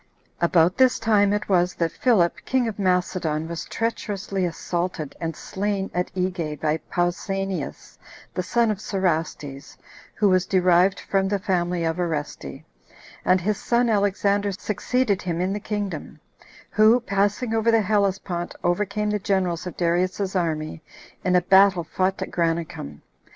1. About this time it was that Philip, king of Macedon, was treacherously assaulted and slain at Egae by Pausanias, the son of Cerastes, who was derived from the family of Oreste, and his son Alexander succeeded him in the kingdom; who, passing over the Hellespont, overcame the generals of Darius's army in a battle fought at Granicum.